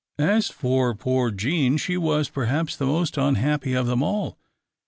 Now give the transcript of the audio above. As for poor Jean, she was perhaps the most unhappy of them all.